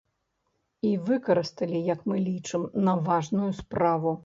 І выкарысталі, як мы лічым, на важную справу.